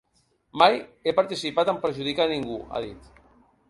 Mai he participat en perjudicar ningú, ha dit.